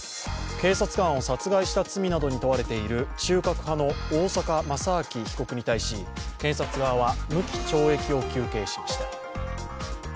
警察官を殺害した罪などに問われている中核派の大坂正明被告に対し検察側は無期懲役を求刑しました。